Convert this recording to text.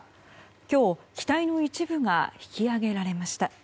今日、機体の一部が引き揚げられました。